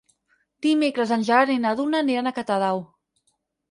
Dimecres en Gerard i na Duna aniran a Catadau.